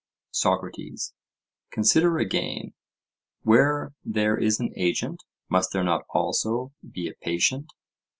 SOCRATES: Consider again:—Where there is an agent, must there not also be a patient?